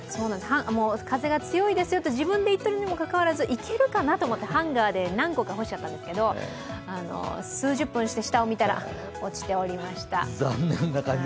風が強いですよと自分で言ってるにもかかわらずいけるかなと思ってハンガーで何個か干しちゃったんですけど、数十分して下を見たら落ちておりました。